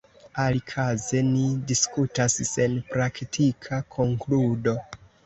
Alikaze ni diskutas sen praktika konkludo.